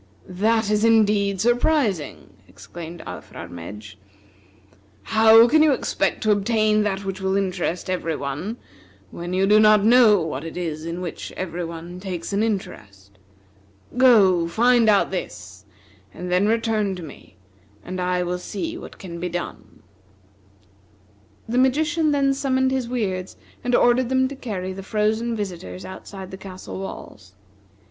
"This is indeed surprising!" exclaimed Alfrarmedj. "How can you expect to obtain that which will interest every one, when you do not know what it is in which every one takes an interest? Go, find out this, and then return to me, and I will see what can be done." The magician then summoned his Weirds and ordered them to carry the frozen visitors outside the castle walls.